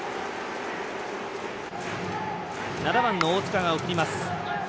７番の大塚が送ります。